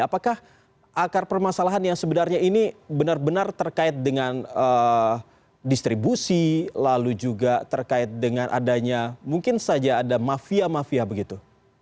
apakah akar permasalahan yang sebenarnya ini benar benar terkait dengan distribusi lalu juga terkait dengan adanya mungkin saja ada mafia mafia begitu